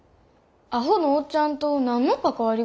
アホのおっちゃんと何の関わりがあるん？